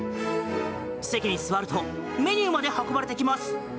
席に座るとメニューまで運ばれてきます。